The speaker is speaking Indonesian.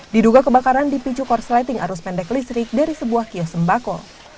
diduga kebakaran dipicu korsleting arus pendek listrik dari sebuah kios sembako